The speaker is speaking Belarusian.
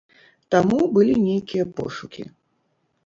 Таму былі нейкія пошукі.